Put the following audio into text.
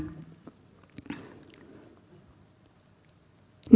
maka beban pembuktian kemudian bergeser kepada termohon untuk memberikan penjelasan yang memuaskan